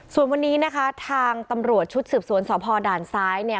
ส่วนวันนี้นะคะทางตำรวจชุดสืบสวนสพด่านซ้ายเนี่ย